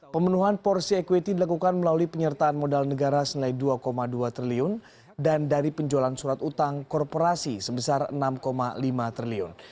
pemenuhan porsi equity dilakukan melalui penyertaan modal negara senilai dua dua triliun dan dari penjualan surat utang korporasi sebesar rp enam lima triliun